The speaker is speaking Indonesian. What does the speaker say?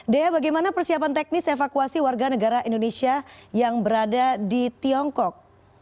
dea bagaimana persiapan teknis evakuasi warga negara indonesia yang berada di tiongkok